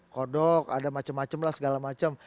kodok ada macem macem lah segala macem